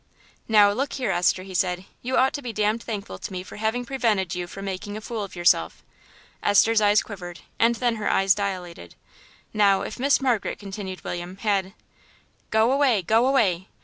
"Now look here, Esther," he said, "you ought to be damned thankful to me for having prevented you from making a fool of yourself." Esther's eyelids quivered, and then her eyes dilated. "Now, if Miss Margaret," continued William, "had " "Go away! go away!